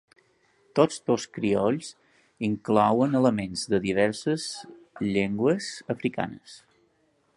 Tots dos criolls inclouen elements de diverses llengües africanes.